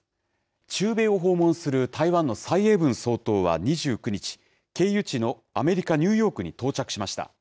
中米を訪問する台湾の蔡英文総統は２９日経由地のアメリカ、ニューヨークに到着しました。